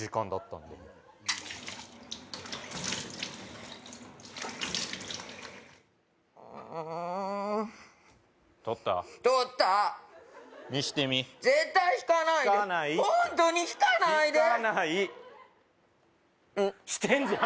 んっしてんじゃん！